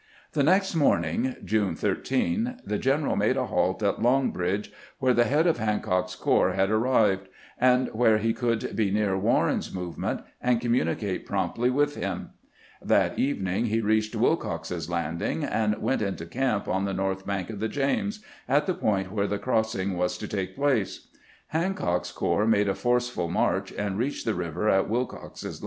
The next morning (June 13) the general made a halt at Long Bridge, where the head of Hancock's corps had ar STEALING A MAKCH ON THE ENEMY 197 rived, and wliere lie could be near Warren's movement and communicate promptly witli him. That evening he reached Wilcox's Landing, and went into camp on the north bank of the James, at the point where the cross ing was to take place. Hancock's corps made a forced march, and reached the river at Wilcox's.